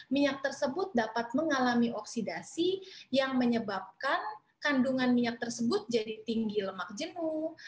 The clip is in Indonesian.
minyak tersebut dapat mengalami oksidasi yang menyebabkan kandungan minyak tersebut jadi tinggi lemak jenuh